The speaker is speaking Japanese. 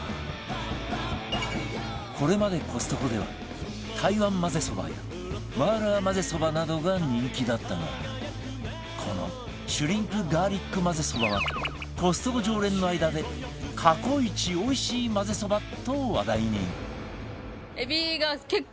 これまでコストコでは台湾まぜそばや麻辣まぜそばなどが人気だったがこのシュリンプガーリックまぜそばはコストコ常連の間で過去イチおいしいまぜそばと話題に